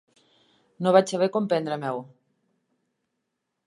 No vaig saber com prendre-m'ho.